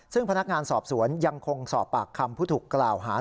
ซึ่งพนักงานสอบสวนยังคงสอบปากคำผู้ถูกกล่าวหา